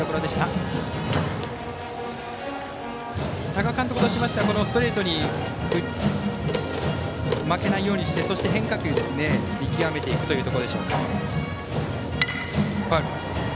多賀監督としましてはストレートに負けないようにしてそして変化球を見極めていくというところでしょうか。